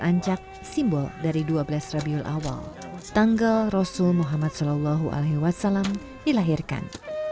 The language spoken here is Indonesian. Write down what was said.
dua belas ancak simbol dari dua belas rabiul awal tanggal rasul muhammad shallallahu alaihi wasallam dilahirkan